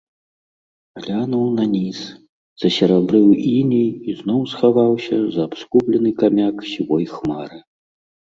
Глянуў на ніз, засерабрыў іней і зноў схаваўся за абскубены камяк сівой хмары.